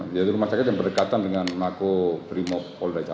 jadi rumah sakit yang berdekatan dengan mako primok polra catan